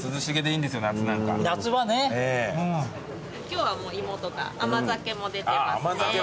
今日はもう芋とか甘酒も出てますね。